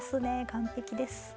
完璧です。